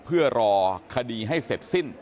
เพื่อรอคดีให้เสร็จสิ้น